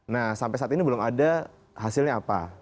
nah sampai saat ini belum ada hasilnya apa